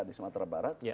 di sumatera barat